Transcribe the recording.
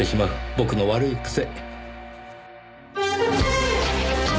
僕の悪い癖。